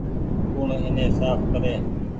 ڪوڻ ايني ساڦ ڪري ۔